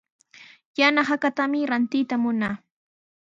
Yana hakatami rantiyta munaa.